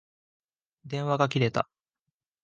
電話が切れた。